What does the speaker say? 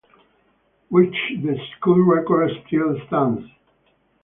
Which the school record still stands.